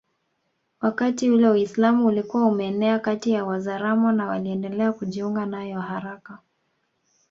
wakati ule Uislamu ulikuwa umeenea kati ya Wazaramo na waliendelea kujiunga nayo haraka